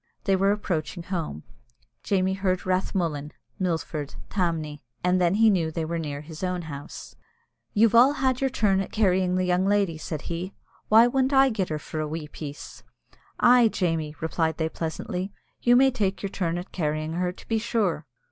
They were approaching home. Jamie heard "Rathmullan," "Milford," "Tamney," and then he knew they were near his own house. "You've all had your turn at carrying the young lady," said he. "Why wouldn't I get her for a wee piece?" "Ay, Jamie," replied they, pleasantly, "you may take your turn at carrying her, to be sure."